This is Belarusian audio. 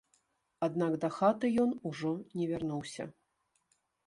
Аднак дахаты ён ужо не вярнуўся.